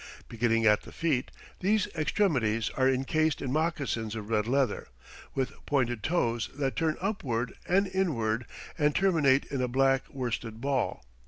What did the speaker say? Beginning at the feet, these extremities are incased in moccasins of red leather, with pointed toes that turn upward and inward and terminate in a black worsted ball.